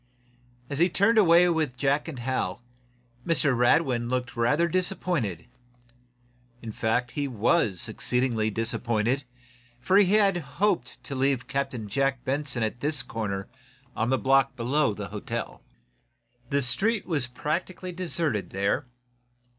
As he turned away with Jack and Hal, Mr. Radwin looked rather disappointed. In fact, he was exceedingly disappointed, for he had hoped to leave Captain Jack Benson at this corner on the block below the hotel. The street was practically deserted there.